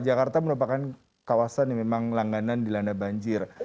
jakarta merupakan kawasan yang memang langganan dilanda banjir